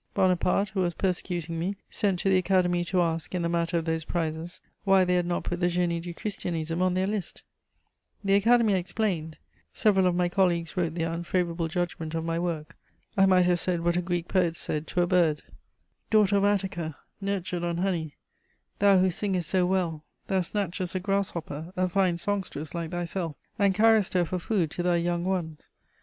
Bonaparte, who was persecuting me, sent to the Academy to ask, in the matter of those prizes, why they had not put the Génie du Christianisme on their list. The Academy explained; several of my colleagues wrote their unfavourable judgment of my work. I might have said what a Greek poet said to a bird: "Daughter of Attica, nurtured on honey, thou who singest so well, thou snatchest a grasshopper, a fine songstress like thyself, and carriest her for food to thy young ones.